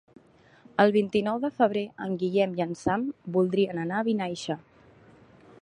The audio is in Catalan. El vint-i-nou de febrer en Guillem i en Sam voldrien anar a Vinaixa.